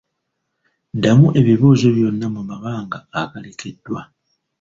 Ddamu ebibuuzo byonna mu mabanga agalekeddwa.